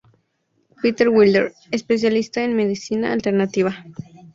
Peter Wilder, especialista en Medicina Alternativa.